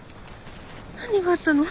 何があったの？